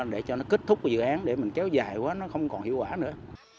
để cho nó kết thúc dự án để mình kéo dài quá nó không còn hiệu quả nữa